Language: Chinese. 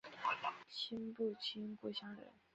亲不亲故乡人